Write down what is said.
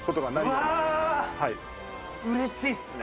「うわー！うれしいっすね」